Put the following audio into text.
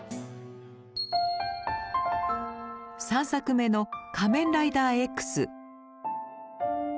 ３作目の「仮面ライダーＸ」。